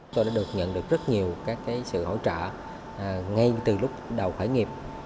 chúng tôi đã được nhận được rất nhiều các cái sự hỗ trợ ngay từ lúc đầu khởi nghiệp